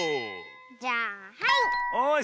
じゃあはい！